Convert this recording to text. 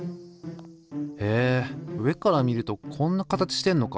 へえ上から見るとこんな形してんのか。